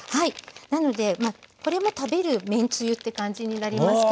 なのでこれも食べるめんつゆって感じになりますけれども。